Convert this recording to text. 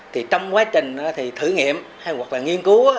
thì trong quá trình thì thử nghiệm hay hoặc là nghiên cứu